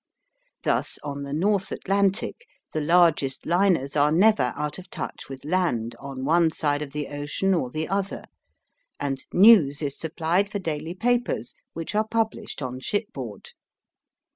Thus on the North Atlantic the largest liners are never out of touch with land on one side of the ocean or the other, and news is supplied for daily papers which are published on shipboard.